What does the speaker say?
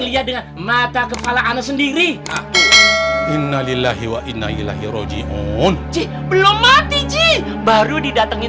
lihat dengan mata kepala anda sendiri innalillahi wa innalillahi rojiun belum mati baru didatengin